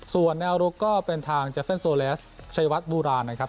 ส่วนแนวลุกก็เป็นทางเจเฟนโซเลสชัยวัดโบราณนะครับ